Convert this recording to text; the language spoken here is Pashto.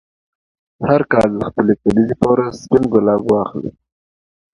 هر کال د خپلې کلیزې په ورځ سپین ګلاب واخلې.